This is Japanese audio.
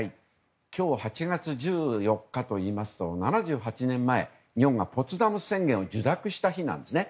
今日８月１４日は７８年前、日本がポツダム宣言を受諾した日なんですね。